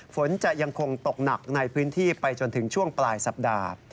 ฝนจะยังคงตกหนักในพื้นที่ไปจนถึงช่วงปลายสัปดาห์